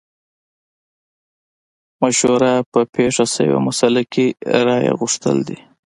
مشوره په پېښه شوې مسئله کې رايه غوښتل دي.